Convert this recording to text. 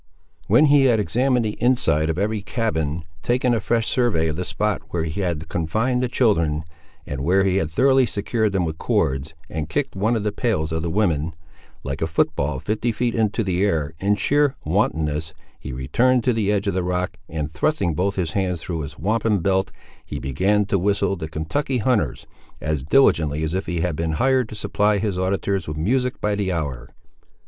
When he had examined the inside of every cabin, taken a fresh survey of the spot where he had confined the children, and where he had thoroughly secured them with cords, and kicked one of the pails of the woman, like a foot ball, fifty feet into the air, in sheer wantonness, he returned to the edge of the rock, and thrusting both his hands through his wampum belt, he began to whistle the "Kentucky Hunters" as diligently as if he had been hired to supply his auditors with music by the hour.